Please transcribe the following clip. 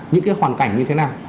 những cái hoàn cảnh như thế nào